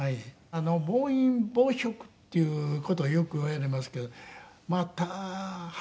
暴飲暴食っていう事をよくいわれますけどまた腹